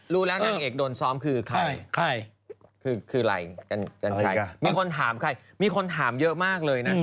รู้แล้วนางเอกโดนซ้อมคือใครใครคืออะไรกันชัยมีคนถามใครมีคนถามเยอะมากเลยนะ